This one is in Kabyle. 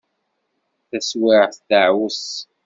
Taswiεt teεweṣ.